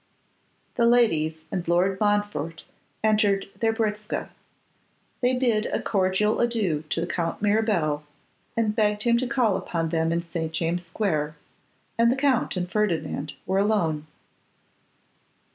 The ladies and Lord Montfort entered their britzka. They bid a cordial adieu to Count Mirabel, and begged him to call upon them in St. James' square, and the Count and Ferdinand were alone.